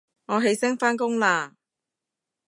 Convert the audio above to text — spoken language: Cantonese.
我起身返工喇